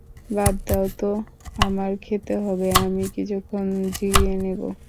বাদ দাও তো, আমার খেতে হবে, আমি কিছুক্ষণ জিরিয়ে নেব।